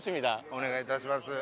お願いいたします。